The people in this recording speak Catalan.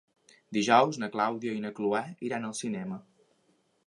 Dijous na Clàudia i na Cloè iran al cinema.